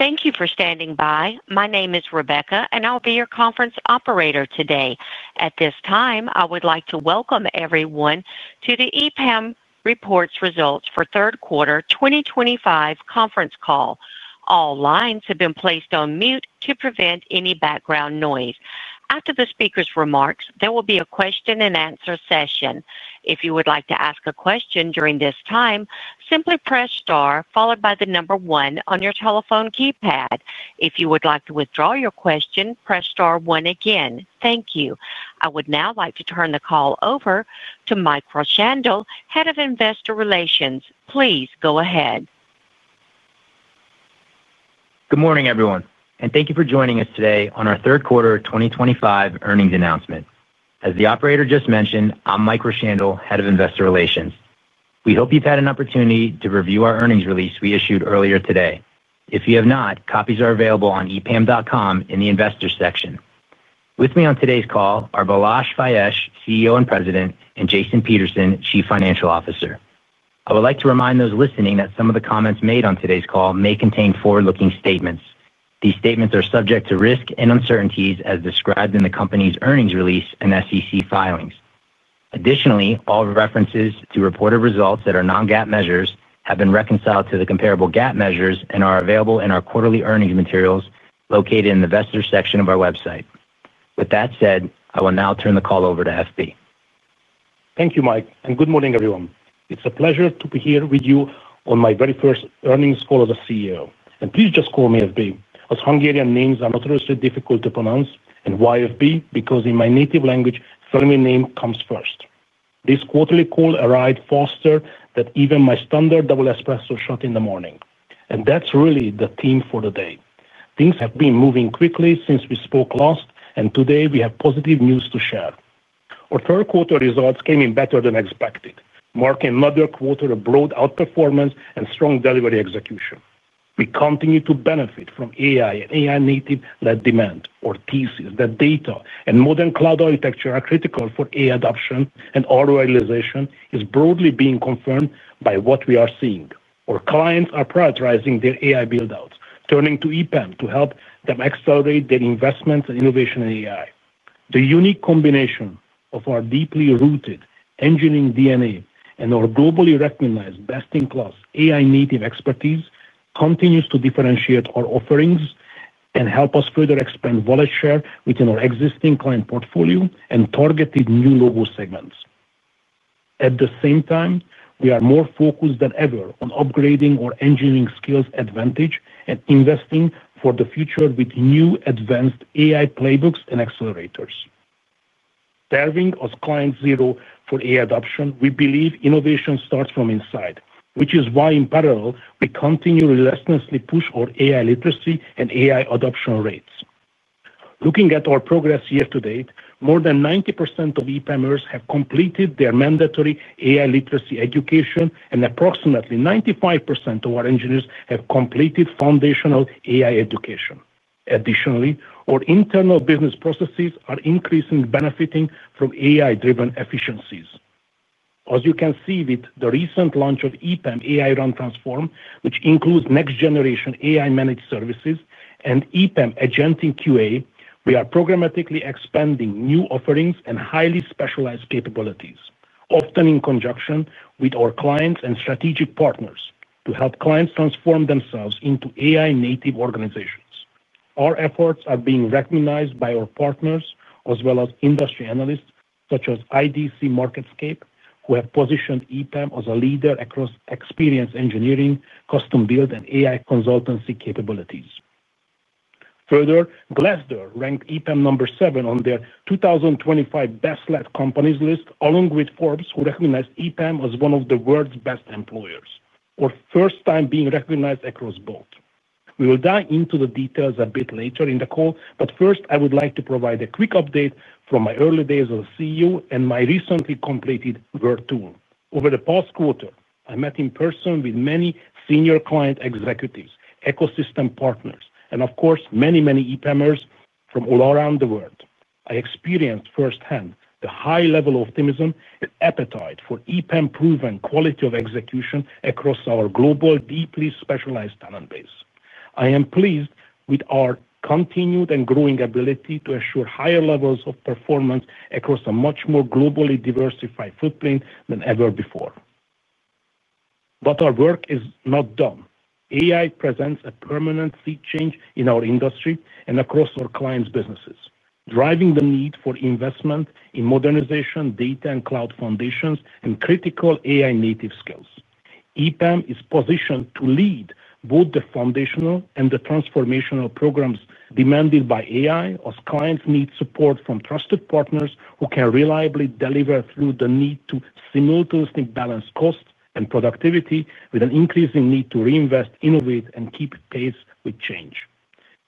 Thank you for standing by. My name is Rebecca, and I'll be your conference operator today. At this time, I would like to welcome everyone to the EPAM Reports Results for Third Quarter 2025 conference call. All lines have been placed on mute to prevent any background noise. After the speaker's remarks, there will be a question-and-answer session. If you would like to ask a question during this time, simply press star followed by the number one on your telephone keypad. If you would like to withdraw your question, press star one again. Thank you. I would now like to turn the call over to Mike Rowshandel, Head of Investor Relations. Please go ahead. Good morning, everyone, and thank you for joining us today on our Third Quarter 2025 Earnings announcement. As the operator just mentioned, I'm Mike Rowshandel, Head of Investor Relations. We hope you've had an opportunity to review our earnings release we issued earlier today. If you have not, copies are available on epam.com in the Investors section. With me on today's call are Balazs Fejes, CEO and President, and Jason Peterson, Chief Financial Officer. I would like to remind those listening that some of the comments made on today's call may contain forward-looking statements. These statements are subject to risk and uncertainties as described in the company's earnings release and SEC filings. Additionally, all references to reported results that are non-GAAP measures have been reconciled to the comparable GAAP measures and are available in our quarterly earnings materials located in the Investors section of our website. With that said, I will now turn the call over to FB. Thank you, Mike, and good morning, everyone. It's a pleasure to be here with you on my very first earnings call as CEO. Please just call me FB, as Hungarian names are notoriously difficult to pronounce, and why FB? Because in my native language, family name comes first. This quarterly call arrived faster than even my standard double espresso shot in the morning. That is really the theme for the day. Things have been moving quickly since we spoke last, and today we have positive news to share. Our third quarter results came in better than expected, marking another quarter of broad outperformance and strong delivery execution. We continue to benefit from AI and AI-native led demand, or [TC], that data and modern cloud architecture are critical for AI adoption and auto realization is broadly being confirmed by what we are seeing. Our clients are prioritizing their AI buildouts, turning to EPAM to help them accelerate their investments and innovation in AI. The unique combination of our deeply rooted engineering DNA and our globally recognized best-in-class AI-native expertise continues to differentiate our offerings and help us further expand wallet share within our existing client portfolio and targeted new logo segments. At the same time, we are more focused than ever on upgrading our engineering skills advantage and investing for the future with new advanced AI playbooks and accelerators. Serving as client zero for AI adoption, we believe innovation starts from inside, which is why in parallel, we continue relentlessly to push our AI literacy and AI adoption rates. Looking at our progress year-to-date, more than 90% of EPAMers have completed their mandatory AI literacy education, and approximately 95% of our engineers have completed foundational AI education. Additionally, our internal business processes are increasingly benefiting from AI-driven efficiencies. As you can see with the recent launch of EPAM AI/Run Transform, which includes next-generation AI-managed services and EPAM Agentic QA, we are programmatically expanding new offerings and highly specialized capabilities, often in conjunction with our clients and strategic partners to help clients transform themselves into AI-native organizations. Our efforts are being recognized by our partners as well as industry analysts such as IDC MarketScape, who have positioned EPAM as a leader across experience engineering, custom-built, and AI consultancy capabilities. Further, Glassdoor ranked EPAM number seven on their 2025 best-led companies list, along with Forbes, who recognized EPAM as one of the world's best employers, our first time being recognized across both. We will dive into the details a bit later in the call, but first, I would like to provide a quick update from my early days as CEO and my recently completed Vert tool. Over the past quarter, I met in person with many senior client executives, ecosystem partners, and of course, many, many EPAMers from all around the world. I experienced firsthand the high level of optimism and appetite for EPAM-proven quality of execution across our global, deeply specialized talent base. I am pleased with our continued and growing ability to assure higher levels of performance across a much more globally diversified footprint than ever before. Our work is not done. AI presents a permanent sea change in our industry and across our clients' businesses, driving the need for investment in modernization, data and cloud foundations, and critical AI-native skills. EPAM is positioned to lead both the foundational and the transformational programs demanded by AI as clients need support from trusted partners who can reliably deliver through the need to simultaneously balance cost and productivity with an increasing need to reinvest, innovate, and keep pace with change.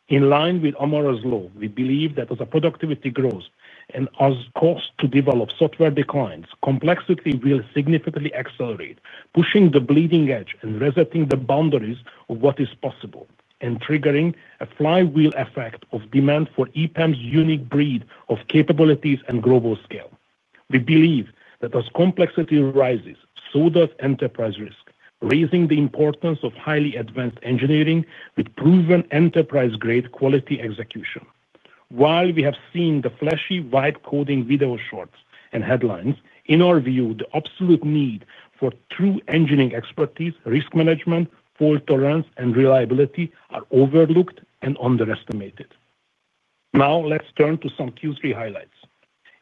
In line with Amara's law, we believe that as productivity grows and as cost to develop software declines, complexity will significantly accelerate, pushing the bleeding edge and resetting the boundaries of what is possible and triggering a flywheel effect of demand for EPAM's unique breed of capabilities and global scale. We believe that as complexity rises, so does enterprise risk, raising the importance of highly advanced engineering with proven enterprise-grade quality execution. While we have seen the flashy vibe-coding video shorts and headlines, in our view, the absolute need for true engineering expertise, risk management, fault tolerance, and reliability are overlooked and underestimated. Now, let's turn to some Q3 highlights.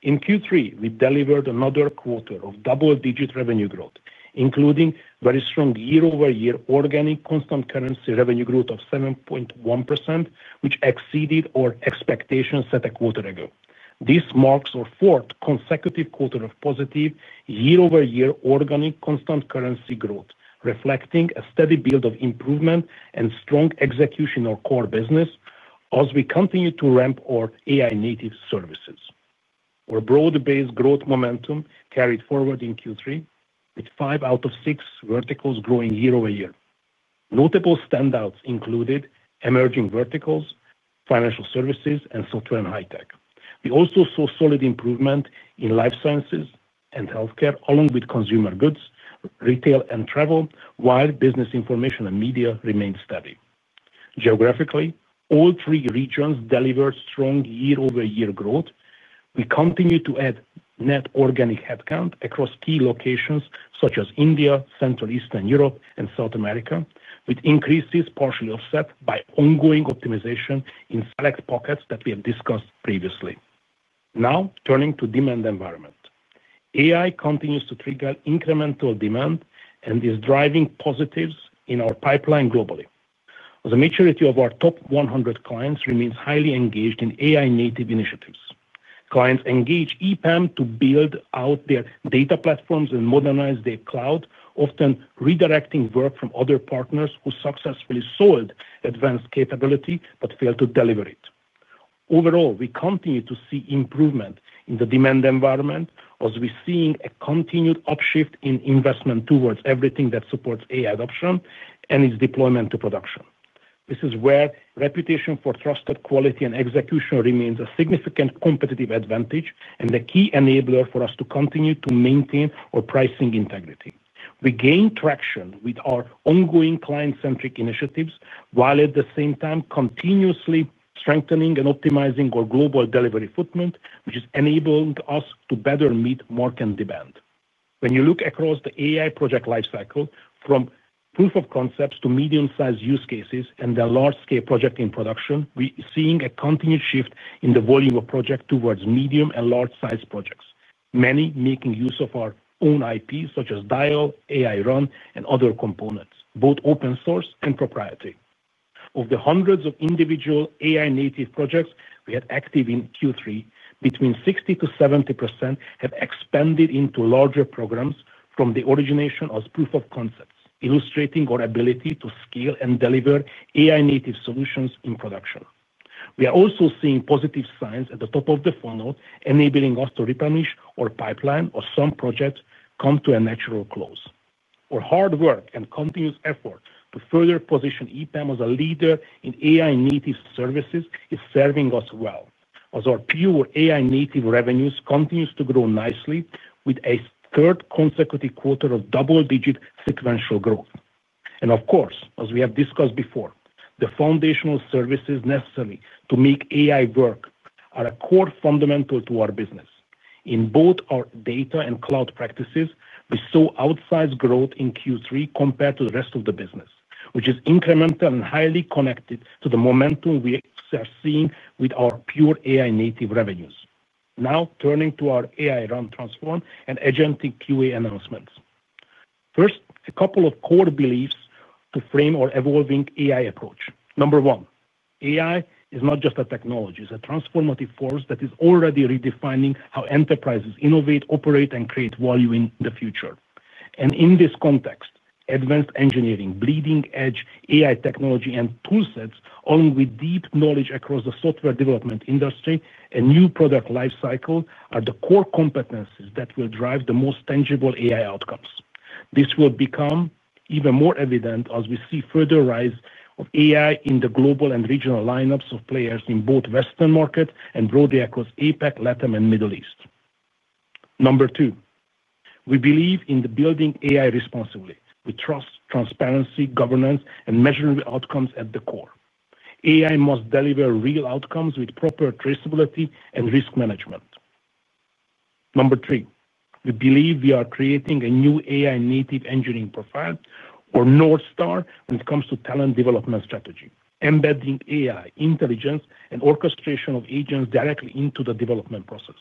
In Q3, we delivered another quarter of double-digit revenue growth, including very strong year-over-year organic constant currency revenue growth of 7.1%, which exceeded our expectations set a quarter ago. This marks our fourth consecutive quarter of positive year-over-year organic constant currency growth, reflecting a steady build of improvement and strong execution of our core business as we continue to ramp our AI-native services. Our broad-based growth momentum carried forward in Q3 with five out of six verticals growing year-over-year. Notable standouts included emerging verticals, financial services, and software and high-tech. We also saw solid improvement in life sciences and healthcare along with consumer goods, retail, and travel, while business information and media remained steady. Geographically, all three regions delivered strong year-over-year growth. We continue to add net organic headcount across key locations such as India, Central Eastern Europe, and South America, with increases partially offset by ongoing optimization in select pockets that we have discussed previously. Now, turning to demand environment. AI continues to trigger incremental demand and is driving positives in our pipeline globally. The majority of our top 100 clients remain highly engaged in AI-native initiatives. Clients engage EPAM to build out their data platforms and modernize their cloud, often redirecting work from other partners who successfully sold advanced capability but failed to deliver it. Overall, we continue to see improvement in the demand environment as we're seeing a continued upshift in investment towards everything that supports AI adoption and its deployment to production. This is where reputation for trusted quality and execution remains a significant competitive advantage and a key enabler for us to continue to maintain our pricing integrity. We gain traction with our ongoing client-centric initiatives while at the same time continuously strengthening and optimizing our global delivery footprint, which has enabled us to better meet market demand. When you look across the AI project lifecycle, from proof of concepts to medium-sized use cases and then large-scale projects in production, we are seeing a continued shift in the volume of projects towards medium and large-sized projects, many making use of our own IPs such as DIAL, AI/Run, and other components, both open-source and proprietary. Of the hundreds of individual AI-native projects we had active in Q3, between 60%-70% have expanded into larger programs from the origination as proof of concepts, illustrating our ability to scale and deliver AI-native solutions in production. We are also seeing positive signs at the top of the funnel, enabling us to replenish our pipeline as some projects come to a natural close. Our hard work and continuous effort to further position EPAM as a leader in AI-native services is serving us well as our pure AI-native revenues continue to grow nicely with a third consecutive quarter of double-digit sequential growth. As we have discussed before, the foundational services necessary to make AI work are a core fundamental to our business. In both our data and cloud practices, we saw outsized growth in Q3 compared to the rest of the business, which is incremental and highly connected to the momentum we are seeing with our pure AI-native revenues. Now, turning to our AI/Run Transform and Agentic QA announcements. First, a couple of core beliefs to frame our evolving AI approach. Number one, AI is not just a technology. It is a transformative force that is already redefining how enterprises innovate, operate, and create value in the future. In this context, advanced engineering, bleeding-edge AI technology, and toolsets along with deep knowledge across the software development industry and new product lifecycle are the core competencies that will drive the most tangible AI outcomes. This will become even more evident as we see further rise of AI in the global and regional lineups of players in both Western markets and broadly across APAC, LATAM, and the Middle East. Number two, we believe in building AI responsibly with trust, transparency, governance, and measuring outcomes at the core. AI must deliver real outcomes with proper traceability and risk management. Number three, we believe we are creating a new AI-native engineering profile, or North Star, when it comes to talent development strategy, embedding AI intelligence and orchestration of agents directly into the development process.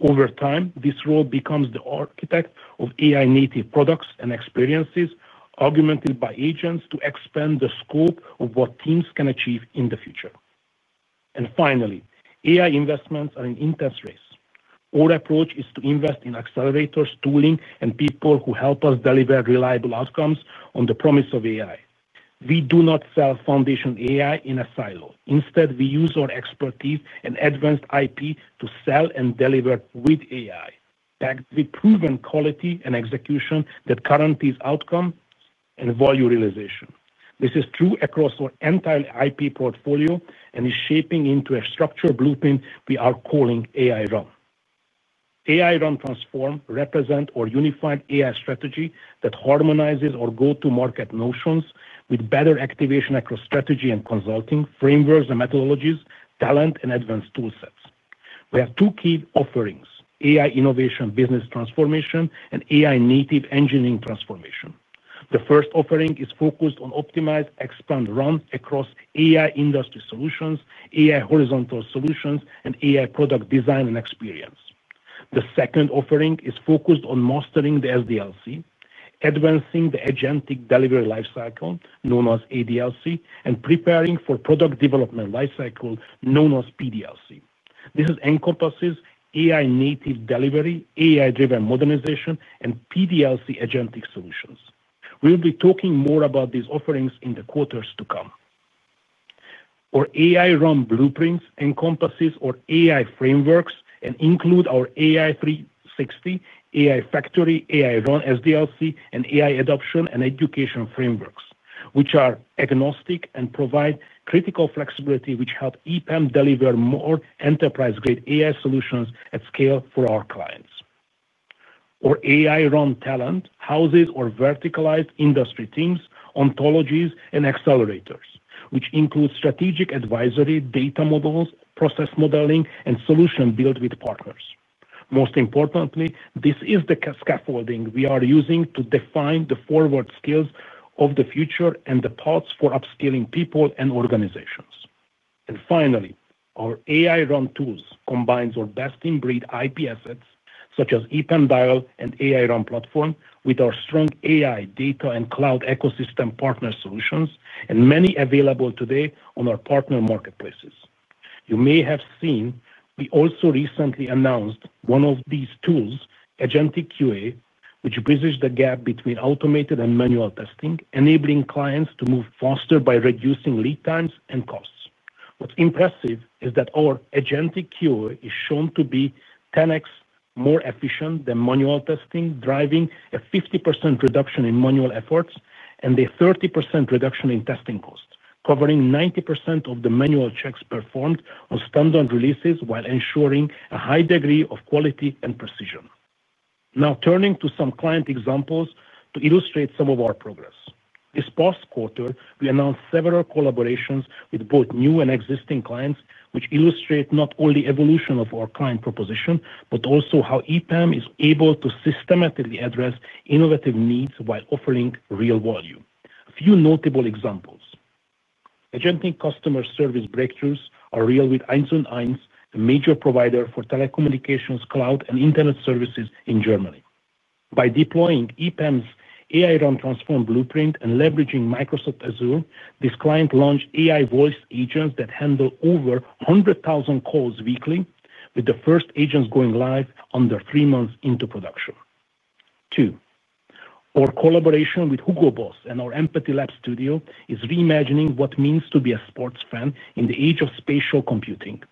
Over time, this role becomes the architect of AI-native products and experiences augmented by agents to expand the scope of what teams can achieve in the future. AI investments are in intense race. Our approach is to invest in accelerators, tooling, and people who help us deliver reliable outcomes on the promise of AI. We do not sell foundation AI in a silo. Instead, we use our expertise and advanced IP to sell and deliver with AI, packed with proven quality and execution that guarantees outcome and value realization. This is true across our entire IP portfolio and is shaping into a structured blueprint we are calling AI/Run. AI/Run Transform represents our unified AI strategy that harmonizes our go-to-market notions with better activation across strategy and consulting frameworks and methodologies, talent, and advanced toolsets. We have two key offerings: AI innovation business transformation and AI-native engineering transformation. The first offering is focused on optimized expand-run across AI industry solutions, AI horizontal solutions, and AI product design and experience. The second offering is focused on mastering the SDLC, advancing the agentic delivery lifecycle, known as ADLC, and preparing for product development lifecycle, known as PDLC. This encompasses AI-native delivery, AI-driven modernization, and PDLC agentic solutions. We will be talking more about these offerings in the quarters to come. OurAI/Run blueprints encompass our AI frameworks and include our AI 360, AI Factory, AI/Run SDLC, and AI adoption and education frameworks, which are agnostic and provide critical flexibility, which help EPAM deliver more enterprise-grade AI solutions at scale for our clients. Our AI/Run talent houses our verticalized industry teams, ontologies, and accelerators, which include strategic advisory, data models, process modeling, and solution-built with partners. Most importantly, this is the scaffolding we are using to define the forward skills of the future and the paths for upskilling people and organizations. Our AI/Run tools combine our best-in-breed IP assets such as EPAM DIAL and AI/Run Platform with our strong AI data and cloud ecosystem partner solutions, and many are available today on our partner marketplaces. You may have seen we also recently announced one of these tools, Agentic QA, which bridges the gap between automated and manual testing, enabling clients to move faster by reducing lead times and costs. What's impressive is that our Agentic QA is shown to be 10X more efficient than manual testing, driving a 50% reduction in manual efforts and a 30% reduction in testing costs, covering 90% of the manual checks performed on standard releases while ensuring a high degree of quality and precision. Now, turning to some client examples to illustrate some of our progress. This past quarter, we announced several collaborations with both new and existing clients, which illustrate not only the evolution of our client proposition, but also how EPAM is able to systematically address innovative needs while offering real value. A few notable examples. Agentic customer service breakthroughs are real with Eins und Eins, a major provider for telecommunications, cloud, and internet services in Germany. By deploying EPAM's AI/Run Transform blueprint and leveraging Microsoft Azure, this client launched AI voice agents that handle over 100,000 calls weekly, with the first agents going live under three months into production. Two. Our collaboration with HUGO BOSS and our Empathy Lab Studio is reimagining what it means to be a sports fan in the age of spatial computing.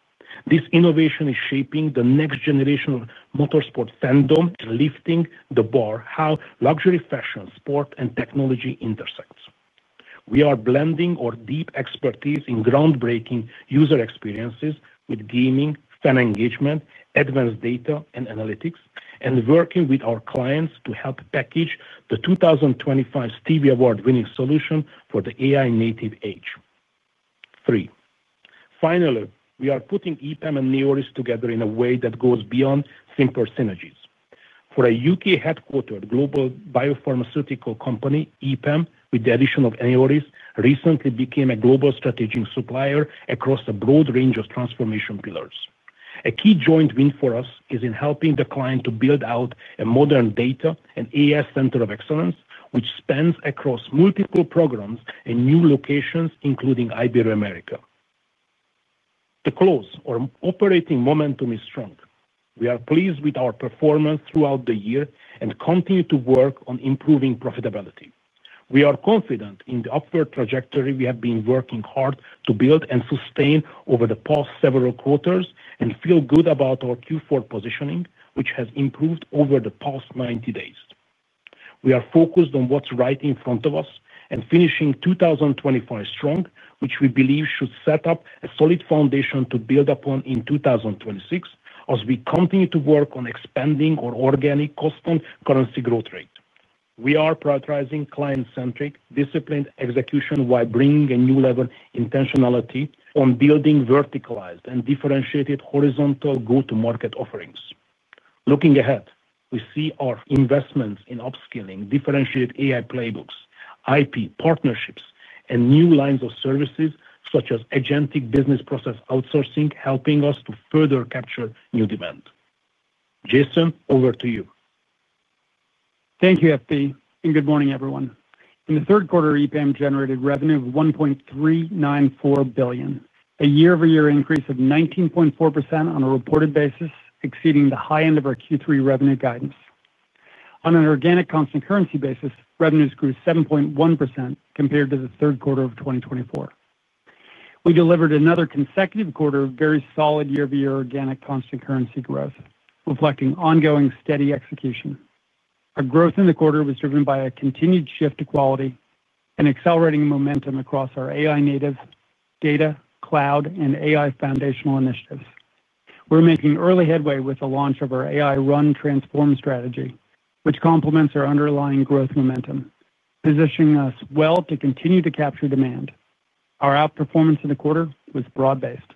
This innovation is shaping the next generation of motorsport fandom, lifting the bar, how luxury fashion, sport, and technology intersect. We are blending our deep expertise in groundbreaking user experiences with gaming, fan engagement, advanced data, and analytics, and working with our clients to help package the 2025 Stevie Award-winning solution for the AI-native age. Three. Finally, we are putting EPAM and NEORIS together in a way that goes beyond simple synergies. For a U.K.-headquartered global biopharmaceutical company, EPAM, with the addition of NEORIS, recently became a global strategic supplier across a broad range of transformation pillars. A key joint win for us is in helping the client to build out a modern data and AI center of excellence, which spans across multiple programs and new locations, including Iberoamerica. To close, our operating momentum is strong. We are pleased with our performance throughout the year and continue to work on improving profitability. We are confident in the upward trajectory we have been working hard to build and sustain over the past several quarters and feel good about our Q4 positioning, which has improved over the past 90 days. We are focused on what's right in front of us and finishing 2025 strong, which we believe should set up a solid foundation to build upon in 2026 as we continue to work on expanding our organic custom currency growth rate. We are prioritizing client-centric, disciplined execution while bringing a new level of intentionality on building verticalized and differentiated horizontal go-to-market offerings. Looking ahead, we see our investments in upskilling, differentiated AI playbooks, IP partnerships, and new lines of services such as agentic business process outsourcing helping us to further capture new demand. Jason, over to you. Thank you, FB. And good morning, everyone. In the third quarter, EPAM generated revenue of $1.394 billion, a year-over-year increase of 19.4% on a reported basis, exceeding the high end of our Q3 revenue guidance. On an organic constant currency basis, revenues grew 7.1% compared to the third quarter of 2024. We delivered another consecutive quarter of very solid year-over-year organic constant currency growth, reflecting ongoing steady execution. Our growth in the quarter was driven by a continued shift to quality and accelerating momentum across our AI-native data, cloud, and AI foundational initiatives. We're making early headway with the launch of our AI/Run Transform strategy, which complements our underlying growth momentum, positioning us well to continue to capture demand. Our outperformance in the quarter was broad-based.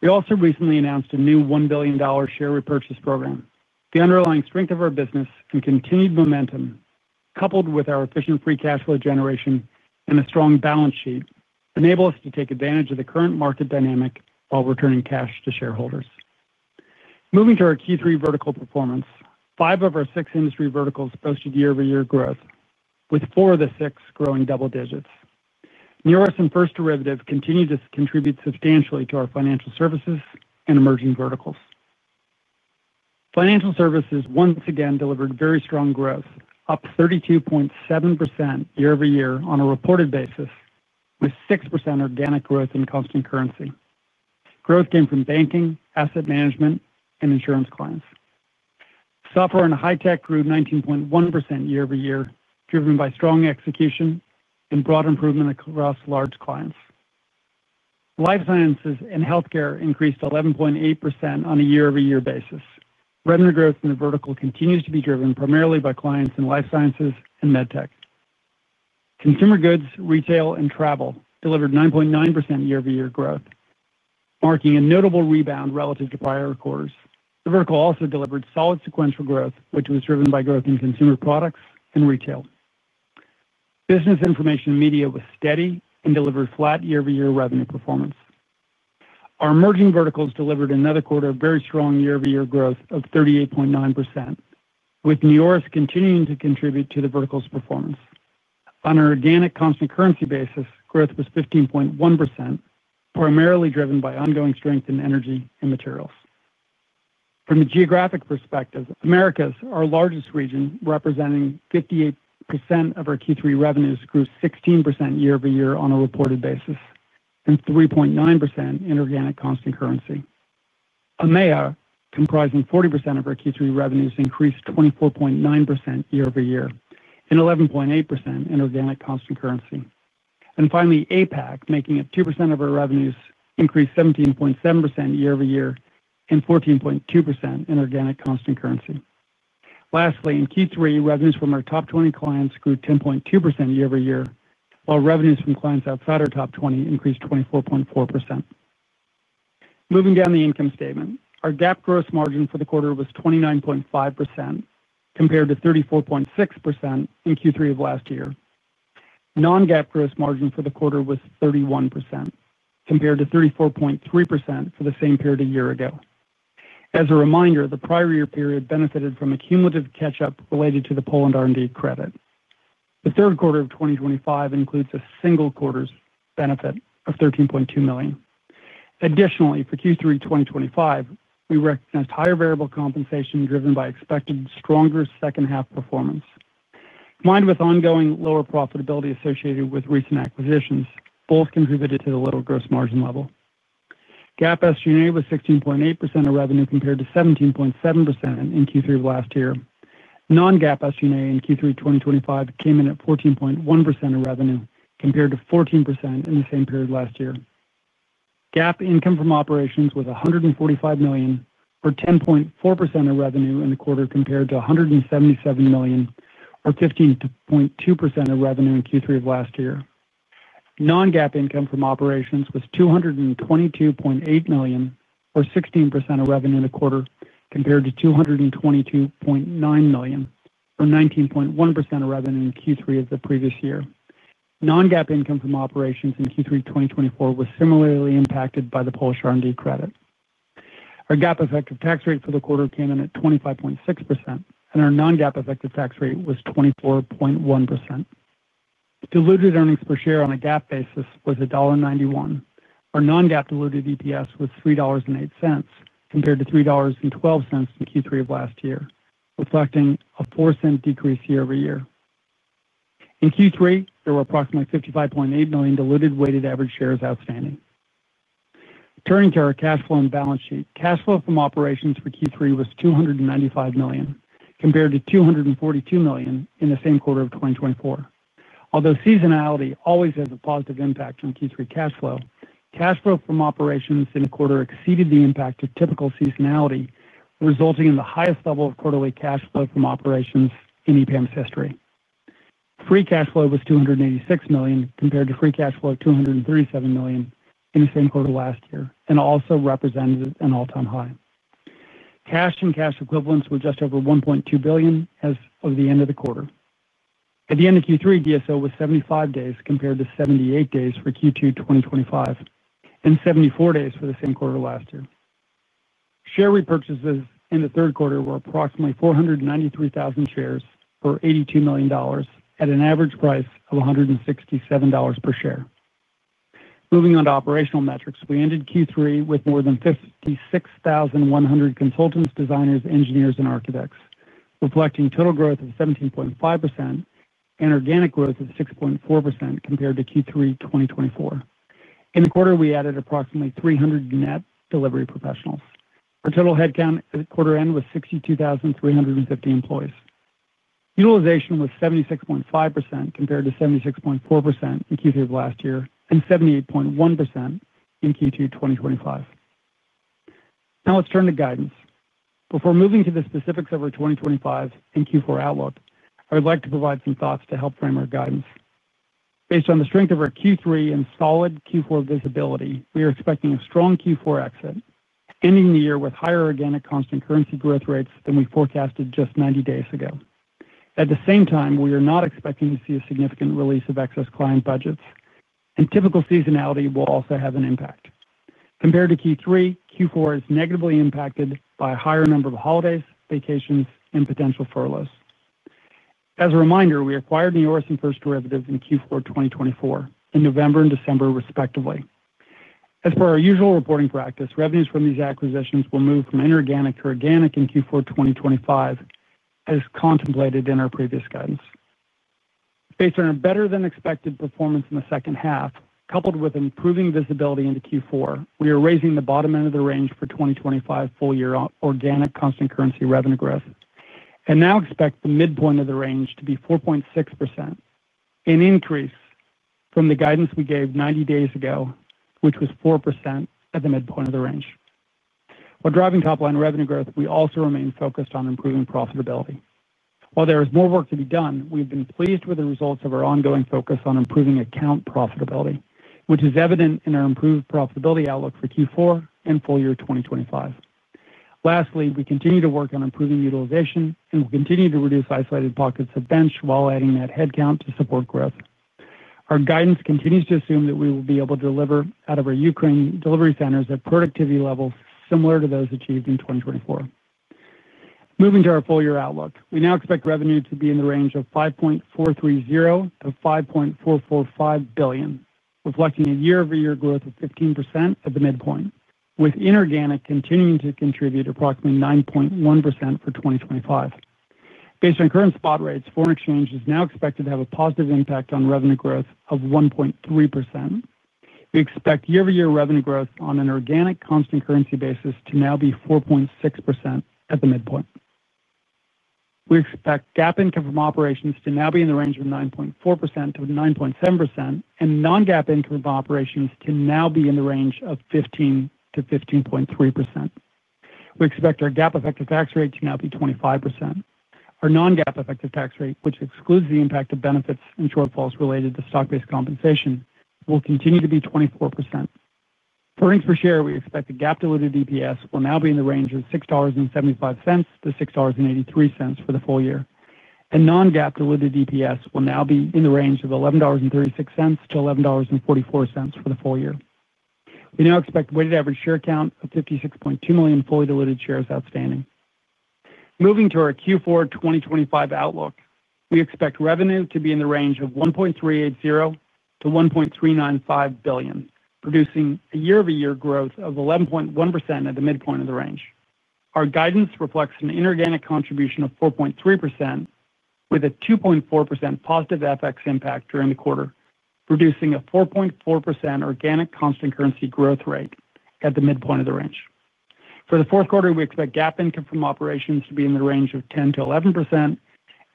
We also recently announced a new $1 billion share repurchase program. The underlying strength of our business and continued momentum, coupled with our efficient free cash flow generation and a strong balance sheet, enable us to take advantage of the current market dynamic while returning cash to shareholders. Moving to our Q3 vertical performance, five of our six industry verticals posted year-over-year growth, with four of the six growing double digits. NEORIS and First Derivative continue to contribute substantially to our financial services and emerging verticals. Financial services once again delivered very strong growth, up 32.7% year-over-year on a reported basis, with 6% organic growth in constant currency. Growth came from banking, asset management, and insurance clients. Software and high-tech grew 19.1% year-over-year, driven by strong execution and broad improvement across large clients. Life sciences and healthcare increased 11.8% on a year-over-year basis. Revenue growth in the vertical continues to be driven primarily by clients in life sciences and med tech. Consumer goods, retail, and travel delivered 9.9% year-over-year growth, marking a notable rebound relative to prior quarters. The vertical also delivered solid sequential growth, which was driven by growth in consumer products and retail. Business information and media was steady and delivered flat year-over-year revenue performance. Our emerging verticals delivered another quarter of very strong year-over-year growth of 38.9%, with NEORIS continuing to contribute to the vertical's performance. On an organic constant currency basis, growth was 15.1%, primarily driven by ongoing strength in energy and materials. From a geographic perspective, Americas, our largest region, representing 58% of our Q3 revenues, grew 16% year-over-year on a reported basis and 3.9% in organic constant currency. EMEA, comprising 40% of our Q3 revenues, increased 24.9% year-over-year and 11.8% in organic constant currency. Finally, APAC, making up 2% of our revenues, increased 17.7% year-over-year and 14.2% in organic constant currency. Lastly, in Q3, revenues from our top 20 clients grew 10.2% year-over-year, while revenues from clients outside our top 20 increased 24.4%. Moving down the income statement, our GAAP gross margin for the quarter was 29.5% compared to 34.6% in Q3 of last year. Non-GAAP gross margin for the quarter was 31% compared to 34.3% for the same period a year ago. As a reminder, the prior year period benefited from a cumulative catch-up related to the Poland R&D credit. The third quarter of 2025 includes a single quarter's benefit of $13.2 million. Additionally, for Q3 2025, we recognized higher variable compensation driven by expected stronger second-half performance. Combined with ongoing lower profitability associated with recent acquisitions, both contributed to the lower gross margin level. GAAP SG&A was 16.8% of revenue compared to 17.7% in Q3 of last year. Non-GAAP SG&A in Q3 2025 came in at 14.1% of revenue compared to 14% in the same period last year. GAAP income from operations was $145 million, or 10.4% of revenue in the quarter compared to $177 million, or 15.2% of revenue in Q3 of last year. Non-GAAP income from operations was $222.8 million, or 16% of revenue in the quarter compared to $222.9 million, or 19.1% of revenue in Q3 of the previous year. Non-GAAP income from operations in Q3 2024 was similarly impacted by the Polish R&D credit. Our GAAP effective tax rate for the quarter came in at 25.6%, and our non-GAAP effective tax rate was 24.1%. Diluted earnings per share on a GAAP basis was $1.91. Our non-GAAP diluted EPS was $3.08 compared to $3.12 in Q3 of last year, reflecting a 4-cent decrease year-over-year. In Q3, there were approximately $55.8 million diluted weighted average shares outstanding. Turning to our cash flow and balance sheet, cash flow from operations for Q3 was $295 million compared to $242 million in the same quarter of 2024. Although seasonality always has a positive impact on Q3 cash flow, cash flow from operations in the quarter exceeded the impact of typical seasonality, resulting in the highest level of quarterly cash flow from operations in EPAM's history. Free cash flow was $286 million compared to free cash flow of $237 million in the same quarter last year and also represented an all-time high. Cash and cash equivalents were just over $1.2 billion as of the end of the quarter. At the end of Q3, DSO was 75 days compared to 78 days for Q2 2025 and 74 days for the same quarter last year. Share repurchases in the third quarter were approximately 493,000 shares for $82 million at an average price of $167 per share. Moving on to operational metrics, we ended Q3 with more than 56,100 consultants, designers, engineers, and architects, reflecting total growth of 17.5% and organic growth of 6.4% compared to Q3 2024. In the quarter, we added approximately 300 net delivery professionals. Our total headcount at quarter end was 62,350 employees. Utilization was 76.5% compared to 76.4% in Q3 of last year and 78.1% in Q2 2025. Now let's turn to guidance. Before moving to the specifics of our 2025 and Q4 outlook, I would like to provide some thoughts to help frame our guidance. Based on the strength of our Q3 and solid Q4 visibility, we are expecting a strong Q4 exit, ending the year with higher organic constant currency growth rates than we forecasted just 90 days ago. At the same time, we are not expecting to see a significant release of excess client budgets, and typical seasonality will also have an impact. Compared to Q3, Q4 is negatively impacted by a higher number of holidays, vacations, and potential furloughs. As a reminder, we acquired NEORIS and First Derivative in Q4 2024, in November and December, respectively. As per our usual reporting practice, revenues from these acquisitions will move from inorganic to organic in Q4 2025. As contemplated in our previous guidance. Based on our better-than-expected performance in the second half, coupled with improving visibility into Q4, we are raising the bottom end of the range for 2025 full-year organic constant currency revenue growth and now expect the midpoint of the range to be 4.6%. An increase from the guidance we gave 90 days ago, which was 4% at the midpoint of the range. While driving top-line revenue growth, we also remain focused on improving profitability. While there is more work to be done, we have been pleased with the results of our ongoing focus on improving account profitability, which is evident in our improved profitability outlook for Q4 and full-year 2025. Lastly, we continue to work on improving utilization, and we continue to reduce isolated pockets of bench while adding net headcount to support growth. Our guidance continues to assume that we will be able to deliver out of our Ukraine delivery centers at productivity levels similar to those achieved in 2024. Moving to our full-year outlook, we now expect revenue to be in the range of $5.430 billion-$5.445 billion, reflecting a year-over-year growth of 15% at the midpoint, with inorganic continuing to contribute approximately 9.1% for 2025. Based on current spot rates, foreign exchange is now expected to have a positive impact on revenue growth of 1.3%. We expect year-over-year revenue growth on an organic constant currency basis to now be 4.6% at the midpoint. We expect GAAP income from operations to now be in the range of 9.4%-9.7%, and non-GAAP income from operations to now be in the range of 15%-15.3%. We expect our GAAP effective tax rate to now be 25%. Our non-GAAP effective tax rate, which excludes the impact of benefits and shortfalls related to stock-based compensation, will continue to be 24%. For earnings per share, we expect the GAAP diluted EPS will now be in the range of $6.75-$6.83 for the full year, and non-GAAP diluted EPS will now be in the range of $11.36-$11.44 for the full year. We now expect weighted average share count of $56.2 million fully diluted shares outstanding. Moving to our Q4 2025 outlook, we expect revenue to be in the range of $1.380 billion-$1.395 billion, producing a year-over-year growth of 11.1% at the midpoint of the range. Our guidance reflects an inorganic contribution of 4.3%. With a 2.4% positive FX impact during the quarter, producing a 4.4% organic constant currency growth rate at the midpoint of the range. For the fourth quarter, we expect GAAP income from operations to be in the range of 10%-11%.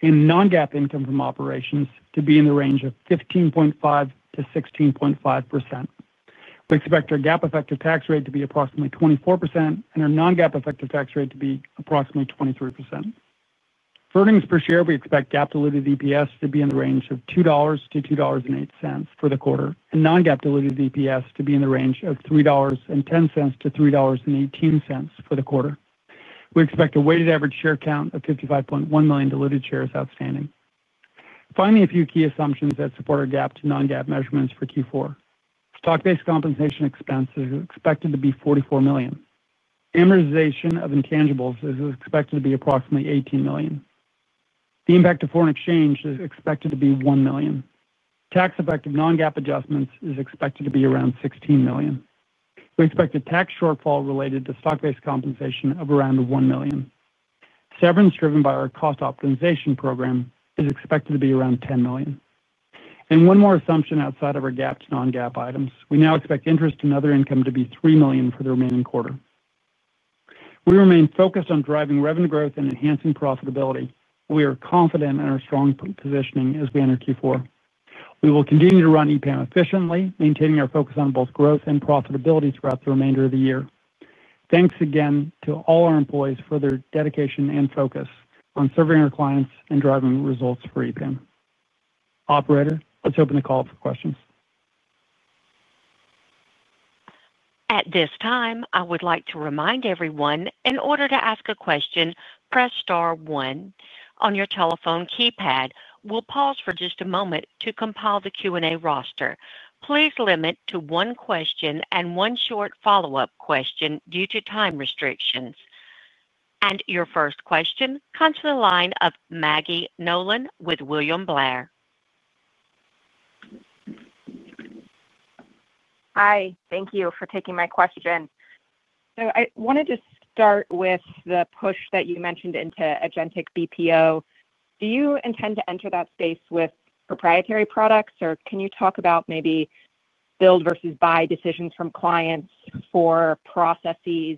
Non-GAAP income from operations to be in the range of 15.5%-16.5%. We expect our GAAP effective tax rate to be approximately 24% and our non-GAAP effective tax rate to be approximately 23%. For earnings per share, we expect GAAP diluted EPS to be in the range of $2.00-$2.08 for the quarter and non-GAAP diluted EPS to be in the range of $3.10-$3.18 for the quarter. We expect a weighted average share count of 55.1 million diluted shares outstanding. Finally, a few key assumptions that support our GAAP to non-GAAP measurements for Q4. Stock-based compensation expense is expected to be $44 million. Amortization of intangibles is expected to be approximately $18 million. The impact of foreign exchange is expected to be $1 million. Tax-effective non-GAAP adjustments are expected to be around $16 million. We expect a tax shortfall related to stock-based compensation of around $1 million. Savings driven by our cost optimization program is expected to be around $10 million. One more assumption outside of our GAAP to non-GAAP items, we now expect interest and other income to be $3 million for the remaining quarter. We remain focused on driving revenue growth and enhancing profitability. We are confident in our strong positioning as we enter Q4. We will continue to run EPAM efficiently, maintaining our focus on both growth and profitability throughout the remainder of the year. Thanks again to all our employees for their dedication and focus on serving our clients and driving results for EPAM. Operator, let's open the call for questions. At this time, I would like to remind everyone, in order to ask a question, press star one on your telephone keypad. We'll pause for just a moment to compile the Q&A roster. Please limit to one question and one short follow-up question due to time restrictions. Your first question comes from the line of Maggie Nolan with William Blair. Hi. Thank you for taking my question. I wanted to start with the push that you mentioned into Agentic BPO. Do you intend to enter that space with proprietary products, or can you talk about maybe build versus buy decisions from clients for processes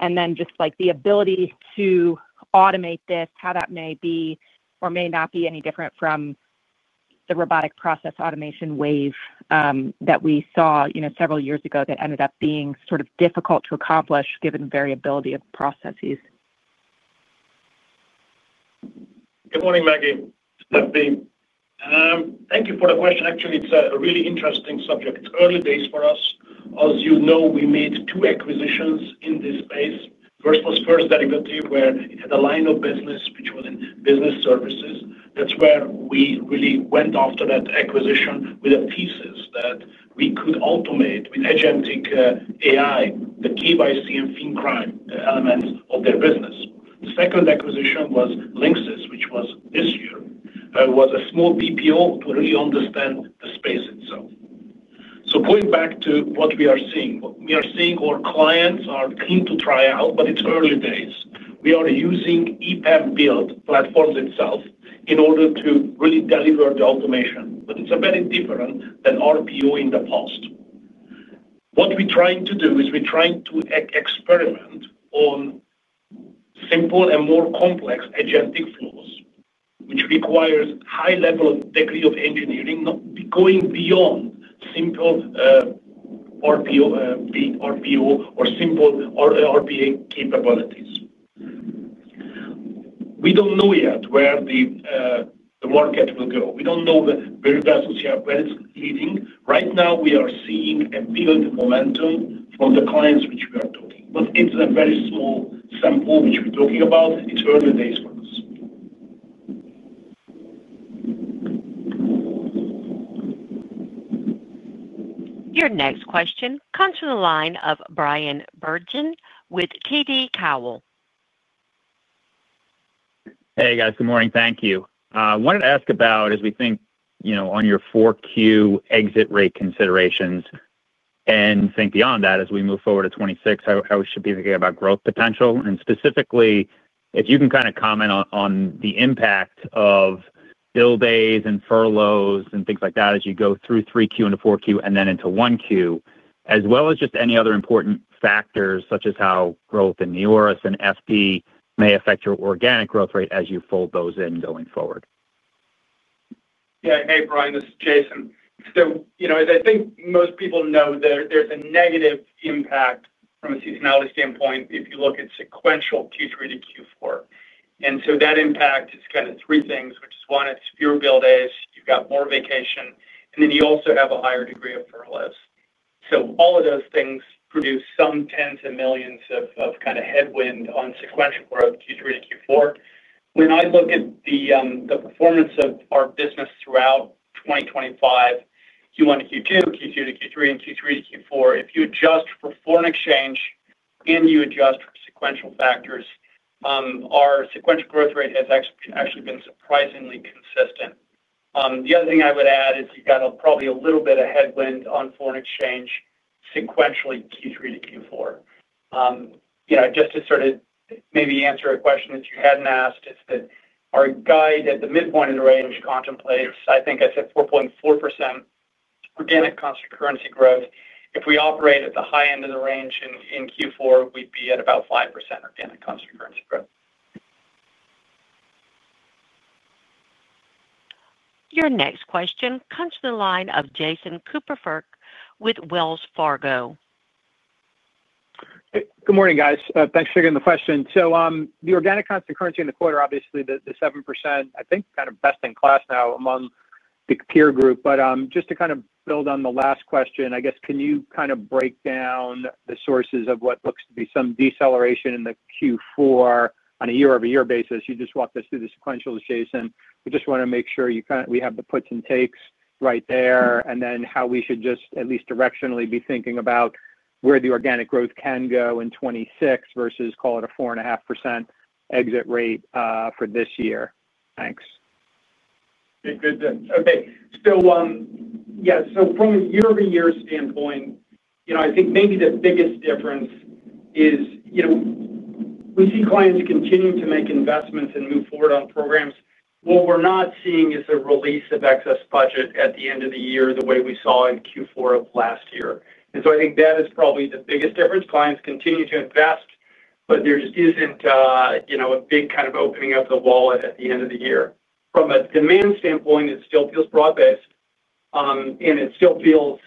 and then just the ability to automate this, how that may be or may not be any different from the robotic process automation wave that we saw several years ago that ended up being sort of difficult to accomplish given the variability of processes? Good morning, Maggie. Good afternoon. Thank you for the question. Actually, it is a really interesting subject. Early days for us. As you know, we made two acquisitions in this space. First was First Derivative, where it had a line of business which was in business services. That's where we really went after that acquisition with the thesis that we could automate with Agentic AI the key BPO FinCrime elements of their business. The second acquisition was Linksys, which was this year, was a small BPO to really understand the space itself. Going back to what we are seeing, what we are seeing, our clients are keen to try out, but it's early days. We are using EPAM build platforms itself in order to really deliver the automation, but it's very different than RPO in the past. What we're trying to do is we're trying to experiment on simple and more complex agentic flows, which requires a high level of degree of engineering, not going beyond simple RPO or simple RPA capabilities. We don't know yet where the market will go. We don't know where it's leading. Right now, we are seeing a bigger momentum from the clients which we are talking. But it's a very small sample which we're talking about. It's early days for us. Your next question comes from the line of Bryan Bergin with TD Cowen. Hey, guys. Good morning. Thank you. I wanted to ask about, as we think on your 4Q exit rate considerations. And think beyond that as we move forward to 2026, how we should be thinking about growth potential. And specifically, if you can kind of comment on the impact of build days and furloughs and things like that as you go through 3Q into 4Q and then into 1Q, as well as just any other important factors such as how growth in NEORIS and FD may affect your organic growth rate as you fold those in going forward. Yeah. Hey, Bryan. This is Jason. As I think most people know, there's a negative impact from a seasonality standpoint if you look at sequential Q3 to Q4. That impact is kind of three things, which is one, it's fewer build days. You've got more vacation. You also have a higher degree of furloughs. All of those things produce some tens of millions of kind of headwind on sequential growth Q3 to Q4. When I look at the performance of our business throughout 2025, Q1 to Q2, Q2 to Q3, and Q3 to Q4, if you adjust for foreign exchange and you adjust for sequential factors, our sequential growth rate has actually been surprisingly consistent. The other thing I would add is you've got probably a little bit of headwind on foreign exchange sequentially Q3 to Q4. Just to sort of maybe answer a question that you hadn't asked, it's that our guide at the midpoint of the range contemplates, I think I said 4.4% organic constant currency growth. If we operate at the high end of the range in Q4, we'd be at about 5% organic constant currency growth. Your next question comes from the line of Jason Kupferberg with Wells Fargo. Good morning, guys. Thanks for getting the question. The organic constant currency in the quarter, obviously the 7%, I think kind of best in class now among the peer group. Just to kind of build on the last question, I guess, can you kind of break down the sources of what looks to be some deceleration in the Q4 on a year-over-year basis? You just walked us through the sequentials, Jason. We just want to make sure we have the puts and takes right there and then how we should just at least directionally be thinking about where the organic growth can go in 2026 versus, call it, a 4.5% exit rate for this year. Thanks. Okay. Good. Okay. So from a year-over-year standpoint, I think maybe the biggest difference is we see clients continue to make investments and move forward on programs. What we're not seeing is a release of excess budget at the end of the year the way we saw in Q4 of last year. I think that is probably the biggest difference. Clients continue to invest, but there just isn't a big kind of opening up the wallet at the end of the year. From a demand standpoint, it still feels broad-based. It still feels,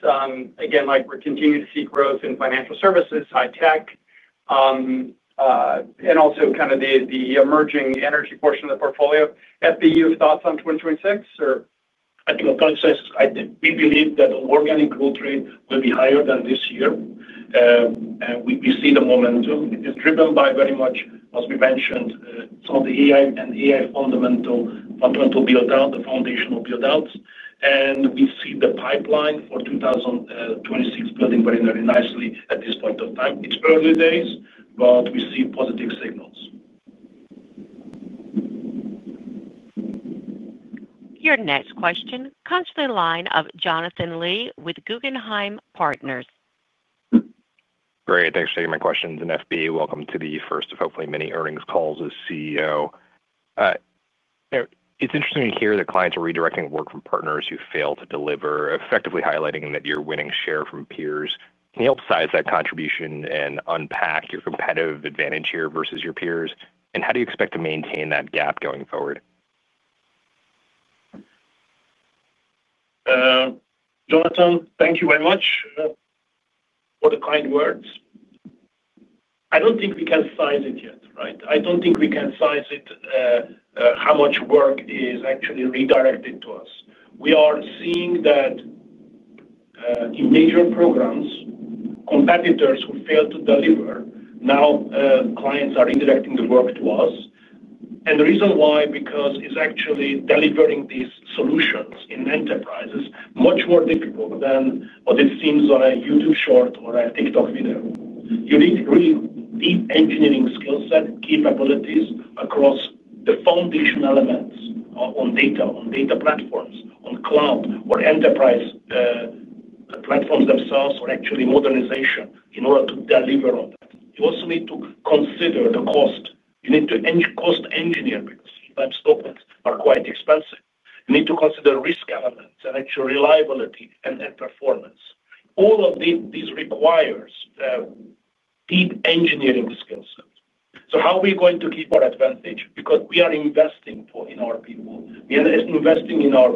again, like we're continuing to see growth in financial services, high-tech, and also kind of the emerging energy portion of the portfolio. FBU, thoughts on 2026, or? I think we believe that the organic growth rate will be higher than this year. We see the momentum. It's driven by very much, as we mentioned, some of the AI and AI fundamental build-out, the foundational build-outs. We see the pipeline for 2026 building very, very nicely at this point of time. It's early days, but we see positive signals. Your next question comes from the line of Jonathan Lee with Guggenheim Partners. Great. Thanks for taking my questions. FB, welcome to the first of hopefully many earnings calls as CEO. It's interesting to hear that clients are redirecting work from partners who fail to deliver, effectively highlighting that you're winning share from peers. Can you help size that contribution and unpack your competitive advantage here versus your peers? How do you expect to maintain that gap going forward? Jonathan, thank you very much for the kind words. I do not think we can size it yet, right? I do not think we can size it. How much work is actually redirected to us. We are seeing that in major programs, competitors who fail to deliver, now clients are redirecting the work to us. The reason why is because actually delivering these solutions in enterprises is much more difficult than what it seems on a YouTube short or a TikTok video. You need really deep engineering skill set, capabilities across the foundational elements on data, on data platforms, on cloud, or enterprise platforms themselves, or actually modernization in order to deliver on that. You also need to consider the cost. You need to cost engineer because keypads, tokens are quite expensive. You need to consider risk elements and actual reliability and performance. All of these require deep engineering skill set. How are we going to keep our advantage? Because we are investing in our people. We are investing in our